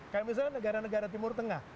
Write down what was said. kayak misalnya negara negara timur tengah